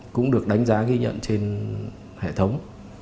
cũng được đánh giá ghi nhận trên hệ thống